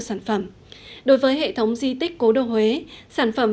xin chào và hẹn gặp lại